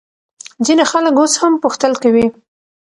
ځینې خلک اوس هم پوښتل کوي.